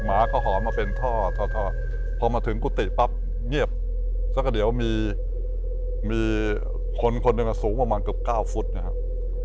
หมาก็หอมมาเป็นท่อพอมาถึงกุฏิปั๊บเงียบสักเดี๋ยวมีคนคนหนึ่งสูงประมาณเกือบ๙ฟุตนะครับ